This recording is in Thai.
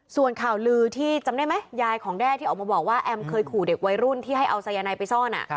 ส่วนข่าวลือที่จำได้ไหมยายของแด้ที่ออกมาบอกว่าแอมเคยขู่เด็กวัยรุ่นที่ให้เอาสายนายไปซ่อน